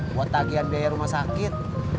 buat tagihan biaya rumah sakit